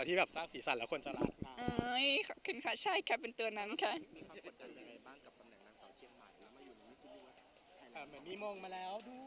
ขอบคุณค่ะใช่ค่ะเป็นตัวนั้นค่ะ